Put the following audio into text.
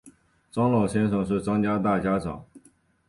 张老先生是张家的大家长